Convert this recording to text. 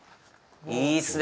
いいっすね。